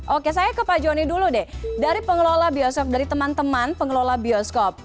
oke saya ke pak joni dulu deh dari pengelola bioskop dari teman teman pengelola bioskop